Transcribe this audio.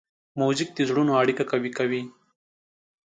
موزیک د زړونو اړیکه قوي کوي.